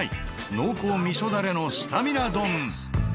濃厚味噌ダレのスタミナ丼！